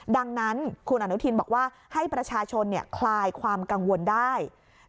ดังนั้นคุณอนุทินบอกว่าให้ประชาชนคลายความกังวลได้